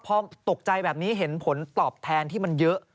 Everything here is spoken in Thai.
พอตกใจแบบนี้เห็นผลตอบแทนที่มันเยอะ